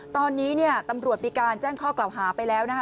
ตอนนี้เนี่ยตำรวจมีการแจ้งข้อกล่าวหาไปแล้วนะคะ